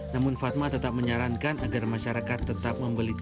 namun fatma tetap menyarankan agar masyarakat tetap membeli tiket